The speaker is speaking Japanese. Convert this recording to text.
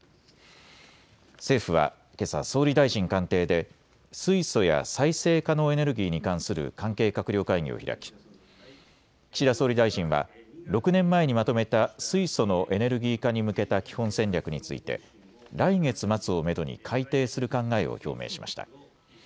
政府はけさ総理大臣官邸で水素や再生可能エネルギーに関する関係閣僚会議を開き岸田総理大臣は６年前にまとめた水素のエネルギー化に向けた基本戦略について来月末をめどに改定する考えを表明しました。